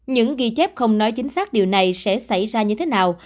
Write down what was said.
những ghi chép không nói chính xác điều này sẽ xảy ra như thế nào